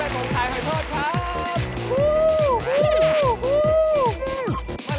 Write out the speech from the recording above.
หอยทอดครับหอยทอดครับ